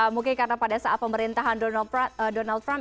mungkin karena pada saat pemerintahan donald trump